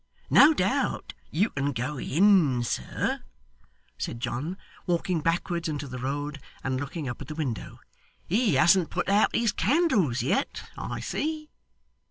No doubt you can go in, sir,' said John, walking backwards into the road and looking up at the window. 'He hasn't put out his candles yet, I see.